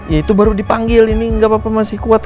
ya itu baru dipanggil ini nggak apa apa masih kuat